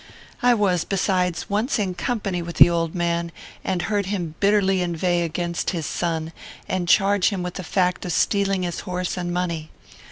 I was, besides, once in company with the old man, and heard him bitterly inveigh against his son, and charge him with the fact of stealing his horse and money.